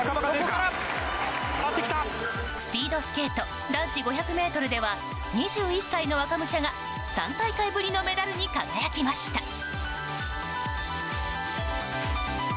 スピードスケート男子５００ｍでは２１歳の若武者が３大会ぶりのメダルに輝きました。